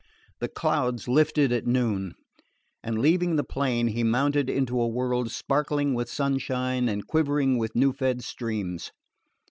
The clouds lifted at noon; and leaving the plain he mounted into a world sparkling with sunshine and quivering with new fed streams.